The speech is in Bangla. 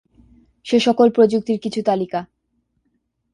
সেসকল প্রযুক্তির কিছু তালিকা